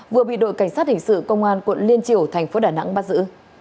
vừa bị đội cảnh sát hình sự công an quận liên triều thành phố đà nẵng bắt giữ